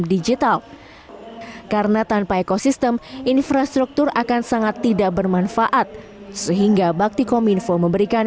digital karena tanpa ekosistem infrastruktur akan sangat tidak bermanfaat sehingga bakti kominfo memberikan